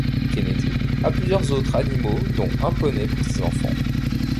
Kennedy a plusieurs autres animaux dont un poney pour ses enfants.